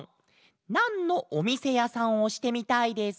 「なんのおみせやさんをしてみたいですか？」。